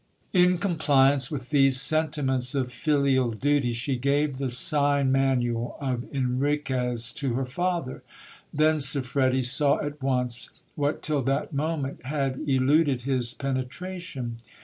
In compliance with these sentiments of filial duty, she gave the sign manual of Enriquez to her father. Then Siffredi saw at once what till that moment had eluded his penetration.